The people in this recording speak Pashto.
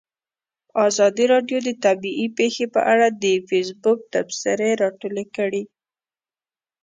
ازادي راډیو د طبیعي پېښې په اړه د فیسبوک تبصرې راټولې کړي.